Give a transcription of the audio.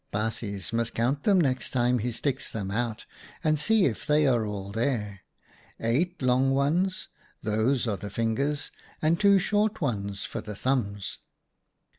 Baasjes must count them next time he sticks them out, and see if they are all there — eight long ones, those are the fingers ; and two short ones for the thumbs."